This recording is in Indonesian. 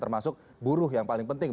termasuk buruh yang paling penting